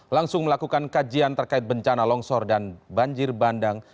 langsung melakukan kajian terkait bencana longsor dan banjir bandang